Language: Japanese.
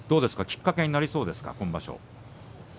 きっかけになりそうですか今場所。